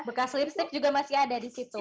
bekas listrik juga masih ada di situ